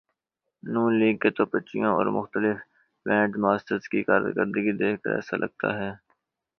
ن لیگ کے توپچیوں اور مختلف بینڈ ماسٹرز کی کارکردگی دیکھ کر ایسا لگتا ہے۔